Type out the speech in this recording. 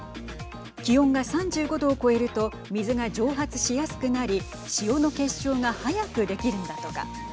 気温が３５度を超えると水が蒸発しやすくなり塩の結晶が速く出来るんだとか。